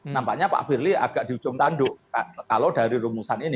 nampaknya pak firly agak di ujung tanduk kalau dari rumusan ini